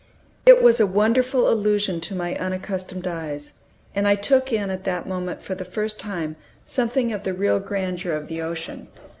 It was a wonderful illusion to My unaccustomed eyes, and I took in at that moment for the first time something of the real grandeur of the ocean.